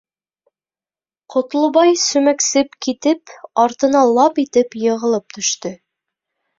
Ҡотлобай, сүмәксеп китеп, артына лап итеп йығылып төштө.